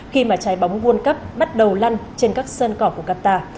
khi mà trái bóng vuôn cấp bắt đầu lăn trên các sân cỏ của qatar